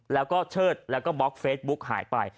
แล้วก็เชิดแล้วก็บล็อกเฟซบุ๊กหายไป